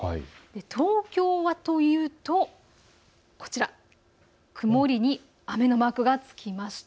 東京はというと曇りに雨のマークが付きました。